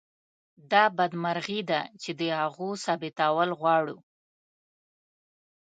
دا بدمرغي ده چې د هغو ثابتول غواړو.